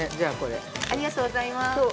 ◆ありがとうございます。